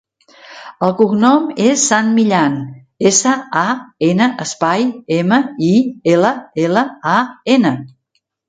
El cognom és San Millan: essa, a, ena, espai, ema, i, ela, ela, a, ena.